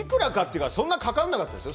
って、そんなにかかんなかったんですよ。